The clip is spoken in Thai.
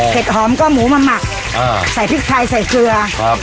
หอมก็หมูมาหมักอ่าใส่พริกไทยใส่เกลือครับ